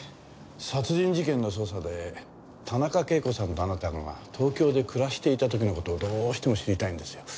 殺人事件の捜査で田中啓子さんとあなたが東京で暮らしていた時の事をどうしても知りたいんですよ。